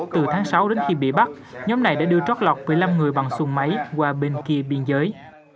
từ tháng sáu đến khi bị bắt nhóm này đã đưa trót lọt một mươi năm người bằng xùng máy qua bên kia biên giới